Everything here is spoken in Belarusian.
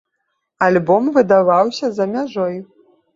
Альбом выдаваўся за мяжой.